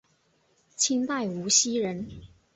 清代无锡人。